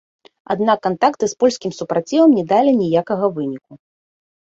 Аднак кантакты з польскім супрацівам не далі ніякага выніку.